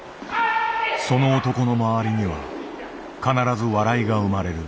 その男の周りには必ず笑いが生まれる。